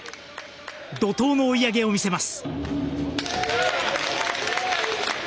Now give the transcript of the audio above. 怒濤の追い上げを見せます。